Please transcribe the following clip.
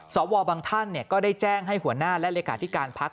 สวบางท่านเนี่ยก็ได้แจ้งให้หัวหน้าและรายการที่การพัก